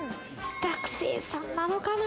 学生さんなのかな？